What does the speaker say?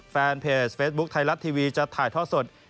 แฟนเพจเฟซบุ๊คไทยรัฐทีวีจะถ่ายท่อสด